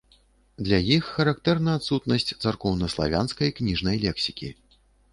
Для іх характэрна адсутнасць царкоўнаславянскай кніжнай лексікі.